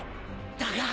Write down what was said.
だが。